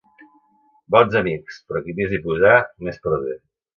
Bons amics, però qui més hi posà, més perdé.